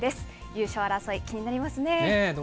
優勝争い、気になりますね。